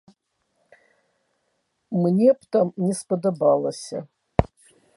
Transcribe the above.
Мне б там не спадабалася.